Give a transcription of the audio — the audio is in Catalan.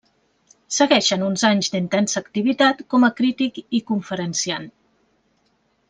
Segueixen uns anys d'intensa activitat com a crític i conferenciant.